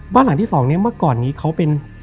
หลังที่สองเนี่ยเมื่อก่อนนี้เขาเป็น